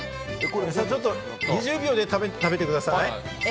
２０秒で食べてください！